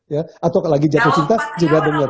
ya atau lagi jatuh cinta juga dengar